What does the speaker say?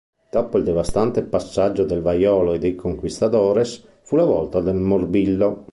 Dopo il devastante passaggio del vaiolo e dei conquistadores, fu la volta del morbillo.